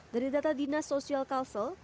dari data dinas sosial kalsel